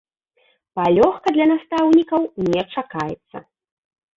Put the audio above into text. Палёгка для настаўнікаў не чакаецца.